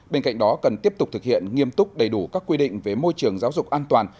bên cạnh đó cần tiếp tục thực hiện nghiêm túc đầy đủ các quy định về môi trường giáo dục an toàn